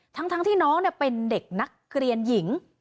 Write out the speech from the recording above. ทั้งที่น้องเป็นเด็กนักเรียนหญิง